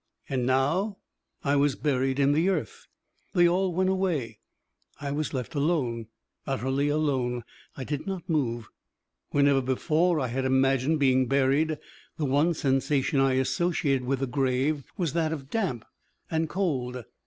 And now I was buried in the earth. They all went away, I was left alone, utterly alone. I did not move. Whenever before I had imagined being buried the one sensation I associated with the grave was that of damp and cold.